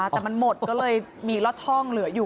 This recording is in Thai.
แต่มันหมดก็เลยมีลอดช่องเหลืออยู่